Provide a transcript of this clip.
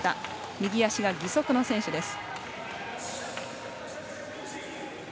右足が義足の選手です。